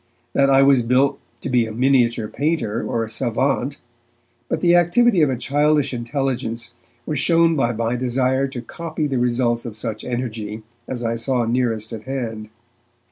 that I was built to be a miniature painter or a savant, but the activity of a childish intelligence was shown by my desire to copy the results of such energy as I saw nearest at hand.